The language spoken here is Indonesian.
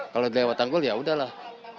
kalau lewat tanggul yaudahlah